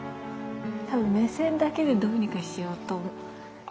多分目線だけでどうにかしようと。